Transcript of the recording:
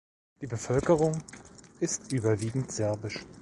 Die Bevölkerung ist überwiegend serbisch.